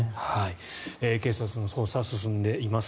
警察の捜査、進んでいます。